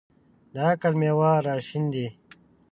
د عقل مېوې راشنېدې.